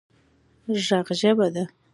ږغ ژبه ده